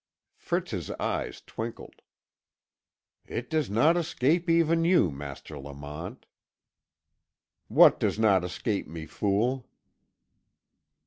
Fritz's eyes twinkled. "It does not escape even you, Master Lamont." "What does not escape me, fool?"